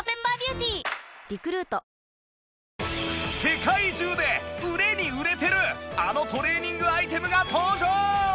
世界中で売れに売れてるあのトレーニングアイテムが登場！